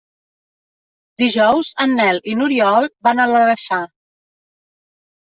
Dijous en Nel i n'Oriol van a l'Aleixar.